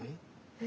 え？